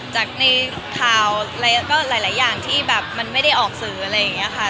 จากในข่าวหลายอย่างที่แบบมันไม่ได้ออกสื่ออะไรอย่างนี้ค่ะ